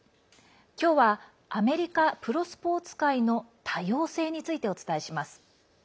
今日はアメリカプロスポーツ界の多様性についてお伝えします。